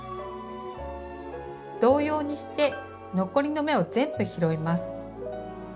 同様にして残りの目を全部拾います。